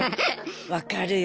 分かるよ。